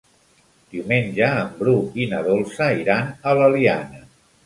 Diumenge en Bru i na Dolça iran a l'Eliana.